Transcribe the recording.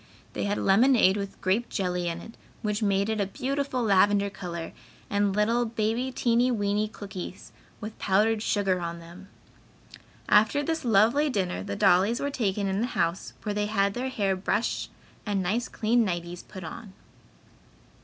They had lemonade with grape jelly in it, which made it a beautiful lavender color, and little "Baby teeny weeny cookies" with powdered sugar on them. After this lovely dinner, the dollies were taken in the house, where they had their hair brushed and nice clean nighties put on.